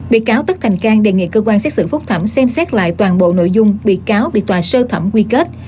bị cáo tất thành cang đề nghị cơ quan xét xử phúc thẩm xem xét lại toàn bộ nội dung bị cáo bị tòa sơ thẩm quy kết